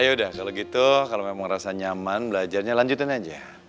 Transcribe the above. yaudah kalo gitu kalo emang rasa nyaman belajarnya lanjutin aja